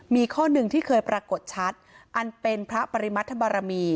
มีข้อหนึ่งที่เคยปรากฏชัดอันเป็นพระปริมัธบารมี